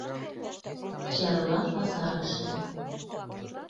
ЧАРЛА ПАЗАРЫШТЕ